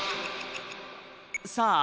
さあ